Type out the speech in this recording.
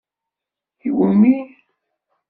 Iwumi?